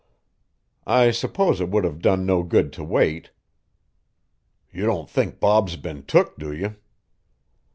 "I suppose it would have done no good to wait." "You don't think Bob's been took, do you?"